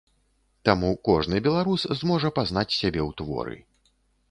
Таму кожны беларус зможа пазнаць сябе ў творы.